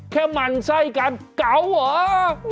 แค่มันใสกันเก่าเหรอ